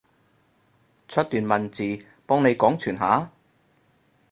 出段文字，幫你廣傳下？